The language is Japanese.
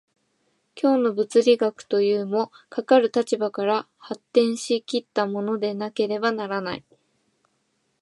今日の物理学というも、かかる立場から発展し来ったものでなければならない。